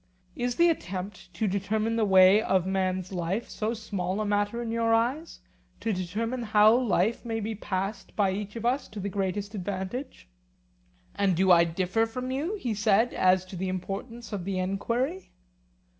Is the attempt to determine the way of man's life so small a matter in your eyes—to determine how life may be passed by each one of us to the greatest advantage? And do I differ from you, he said, as to the importance of the enquiry?